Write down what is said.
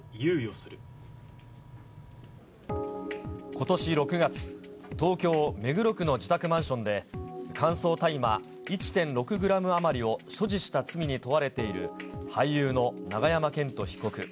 ことし６月、東京・目黒区の自宅マンションで、乾燥大麻１．６グラム余りを所持した罪に問われている、俳優の永山絢斗被告。